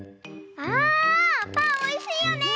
あパンおいしいよね！ね！